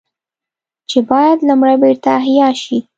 چې بايد لومړی بېرته احياء شي